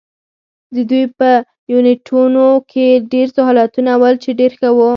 د دوی په یونیټونو کې ډېر سهولتونه ول، چې ډېر ښه وو.